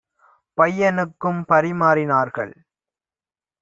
பைய னுக்கும் பரிமாறி னார்கள்.